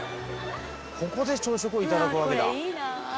ここで朝食をいただくわけだ。